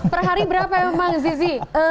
perhari berapa emang zizi